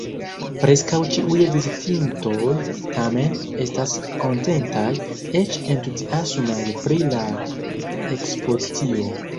Preskaŭ ĉiuj vizitintoj, tamen, estas kontentaj, eĉ entuziasmaj pri la ekspozicio.